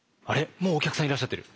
もうお客さんいらっしゃってる。